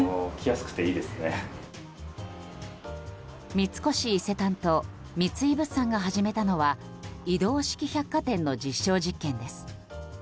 三越伊勢丹と三井物産が始めたのは移動式百貨店の実証実験です。